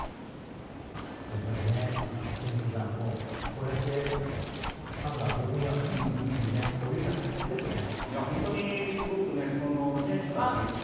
憲伸さん、こうやってファンが国民が感謝するというそういう大活躍ですよね。